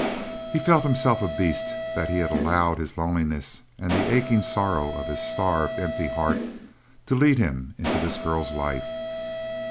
He felt himself a beast that he had allowed his loneliness and the aching sorrow of his starved, empty heart to lead him into this girl's life.